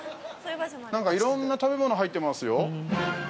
なんかいろんな食べ物入ってますよ。